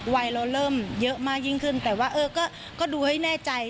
วัยเราเริ่มเยอะมากยิ่งขึ้นแต่ว่าเออก็ดูให้แน่ใจ